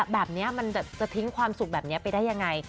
แบบนี้มันจะทิ้งความสุขแบบนี้ไปได้ยังไง